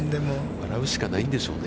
笑うしかないんでしょうね。